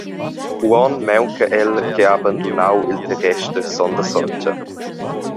Uonn maunca el che ha bandunau il terrester sonda sontga.